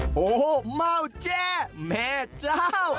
โอ้โหมาวแจ้แม่เจ้า